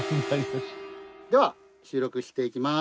では収録していきます。